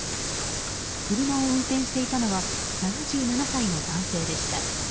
車を運転していたのは７７歳の男性でした。